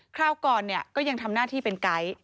คราวก่อนก็ยังทำหน้าที่เป็นไกด์